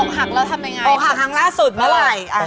อกหักครั้งล่าสุดหรือครับ